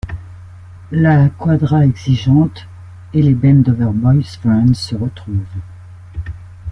la quadra exigeante et les bendover boyfriends se retrouvent.